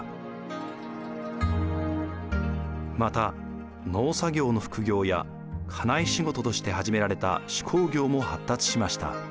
また農作業の副業や家内仕事として始められた手工業も発達しました。